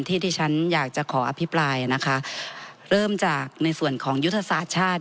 ที่ที่ฉันอยากจะขออภิปรายนะคะเริ่มจากในส่วนของยุทธศาสตร์ชาติ